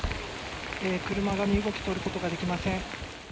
車が身動き取ることができません。